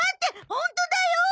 ホントだよ！